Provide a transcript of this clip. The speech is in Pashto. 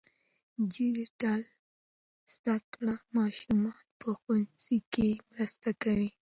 ډیجیټل زده کړه ماشومان په ښوونځي کې مرسته کوي.